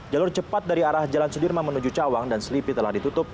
jalur cepat dari arah jalan sudirman menuju cawang dan selipi telah ditutup